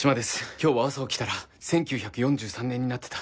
今日は朝起きたら１９４３年になってた。